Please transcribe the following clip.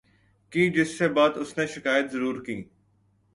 کی جس سے بات اسنے شکایت ضرور کی